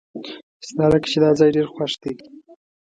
ستالکه چې داځای ډیر خوښ دی .